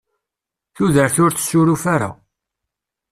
Tudert ur tessuruf ara.